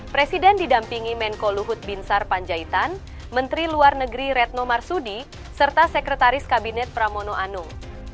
presiden didampingi menko luhut binsar panjaitan menteri luar negeri retno marsudi serta sekretaris kabinet pramono anung